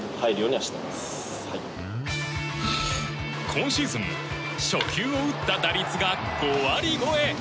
今シーズン初球を打った打率が５割超え！